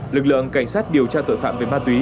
lực lượng cảnh sát điều tra tội phạm về ma túy